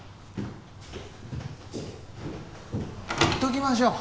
放っときましょう。